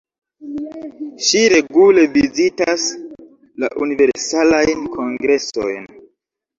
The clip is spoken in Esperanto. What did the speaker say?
Ŝi regule vizitas la universalajn kongresojn.